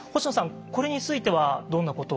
これについてはどんなことを感じますか？